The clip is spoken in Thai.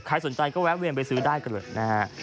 สนใจก็แวะเวียนไปซื้อได้กันเลยนะฮะ